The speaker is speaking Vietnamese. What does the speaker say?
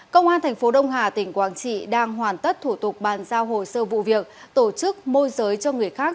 công an thành phố đông hà tỉnh quảng trị đang hoàn tất thủ tục bàn giao hồ sơ vụ việc tổ chức môi giới cho người khác